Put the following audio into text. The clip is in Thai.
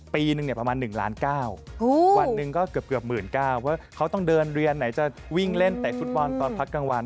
ปีนึงเนี่ยประมาณ๑ล้าน๙วันหนึ่งก็เกือบ๑๙๐๐ว่าเขาต้องเดินเรียนไหนจะวิ่งเล่นเตะฟุตบอลตอนพักกลางวัน